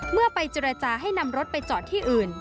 เมื่อไปเจรจาให้นำรถไปจอดที่อื่น